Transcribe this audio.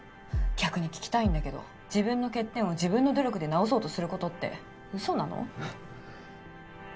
逆に聞きたいんだけど自分の欠点を自分の努力で直そうとすることってうそなの？